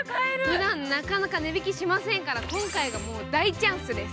ふだん、なかなか値引きしませんから、今回は大チャンスです！